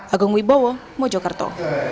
agung wibowo mojokerto